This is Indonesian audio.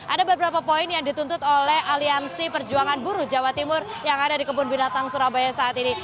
ada beberapa poin yang dituntut oleh aliansi perjuangan buruh jawa timur yang ada di kebun binatang surabaya saat ini